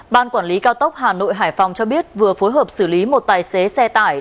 ban quản lý cao tốc hà nội hải phòng cho biết vừa phối hợp xử lý một tài xế xe tải